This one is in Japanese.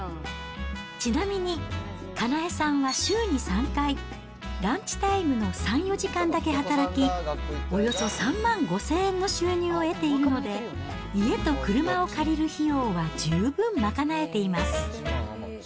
ちなみに、かなえさんは週に３回、ランチタイムの３、４時間だけ働き、およそ３万５０００円の収入を得ているので、家と車を借りる費用は十分賄えています。